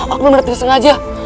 aku benar benar tersengaja